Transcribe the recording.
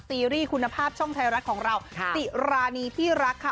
ซีรีส์คุณภาพช่องไทยรัฐของเราสิรานีที่รักค่ะ